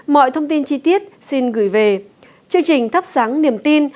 mọi thông tin chi tiết xin gửi về chương trình thắp sáng niềm tin